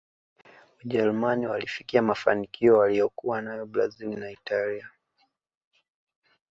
ujerumani walifikia mafanikio waliyokuwa nayo brazil na italia